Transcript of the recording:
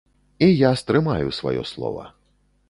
І я стрымаю сваё слова.